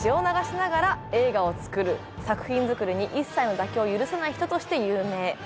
作品作りに一切の妥協を許さない人として有名。